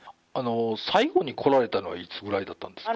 最後に来られたのはいつぐらいだったんですか？